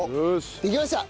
できました！